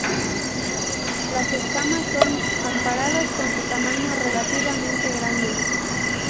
Las escamas son, comparadas con su tamaño, relativamente grandes.